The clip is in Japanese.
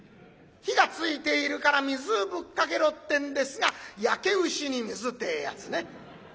火がついているから水ぶっかけろってんですが「焼け牛に水」てえやつね。